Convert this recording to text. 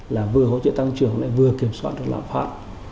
là vừa hỗ trợ tăng trưởng lại vừa kiểm soát được lãm pháp